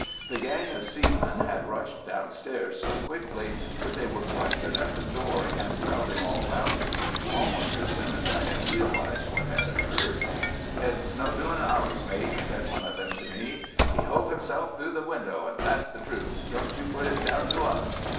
The gang of seamen had rushed downstairs so quickly that they were clustered at the door and crowding all round me almost as soon as I had realized what had occurred. "It's no doing of ours, mate," said one of them to me. "He hove himself through the window, and that's the truth. Don't you put it down to us."